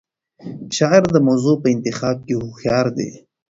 شاعر د موضوع په انتخاب کې هوښیار دی.